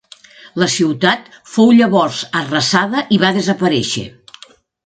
La ciutat fou llavors arrasada i va desaparèixer.